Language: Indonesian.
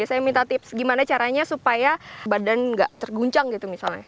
saya minta tips gimana caranya supaya badan nggak terguncang gitu misalnya